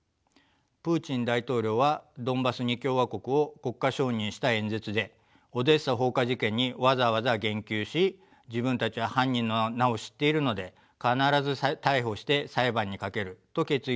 プーチン大統領はドンバス２共和国を国家承認した演説でオデーサ放火事件にわざわざ言及し自分たちは犯人の名を知っているので必ず逮捕して裁判にかけると決意表明しました。